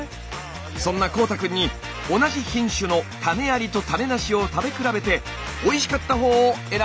そんな幸大くんに同じ品種の種ありと種なしを食べ比べておいしかった方を選んでもらいます！